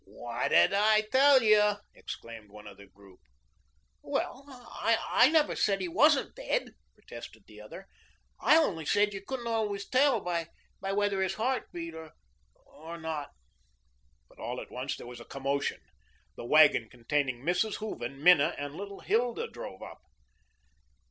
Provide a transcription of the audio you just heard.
"What did I tell you?" exclaimed one of the group. "Well, I never said he wasn't dead," protested the other. "I only said you couldn't always tell by whether his heart beat or not." But all at once there was a commotion. The wagon containing Mrs. Hooven, Minna, and little Hilda drove up.